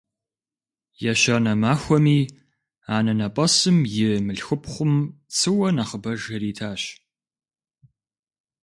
Ещанэ махуэми анэнэпӀэсым и мылъхупхъум цыуэ нэхъыбэж иритащ.